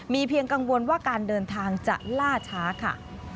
เพียงกังวลว่าการเดินทางจะล่าช้าค่ะ